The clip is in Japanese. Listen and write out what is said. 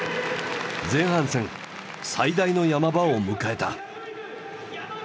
前半戦最大の山場を迎えた。